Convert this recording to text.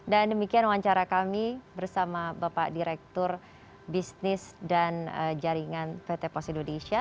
dan demikian wawancara kami bersama bapak direktur bisnis dan jaringan pt pos indonesia